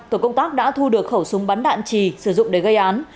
tổ công tác đã thu được khẩu súng bắn đạn trì sử dụng để gây án